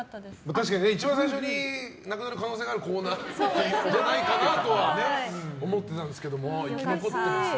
確かに一番最初になくなる可能性があるコーナーだなとは思ってたんですけど生き残ってますね。